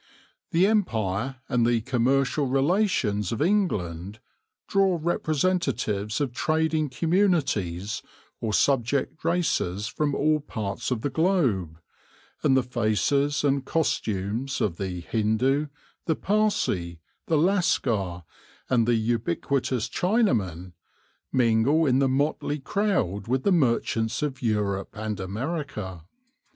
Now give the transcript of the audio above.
The Empire and the commercial relations of England draw representatives of trading communities or subject races from all parts of the globe, and the faces and costumes of the Hindoo, the Parsi, the Lascar, and the ubiquitous Chinaman, mingle in the motley crowd with the merchants of Europe and America.